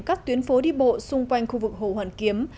các tuyến phố đi bộ xung quanh khu vực hồ hoàn kiếm